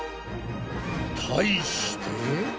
対して。